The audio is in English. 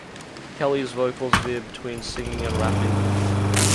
Kelly's vocals veer between singing and rapping.